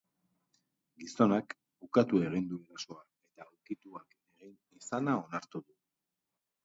Gizonak ukatu egin du erasoa, eta ukituak egin izana onartu du.